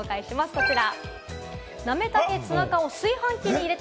こちら。